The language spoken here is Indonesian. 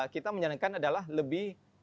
kita menyenangkan adalah lebih